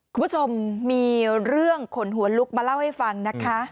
คุณผู้ชมมีเรื่องขนหัวลุกมาเล่าให้ฟังนะคะ